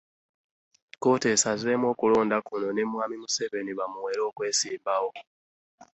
Kkooti esazeemu okulonda kuno ne Mwami Museveni bamuwere okwesimbawo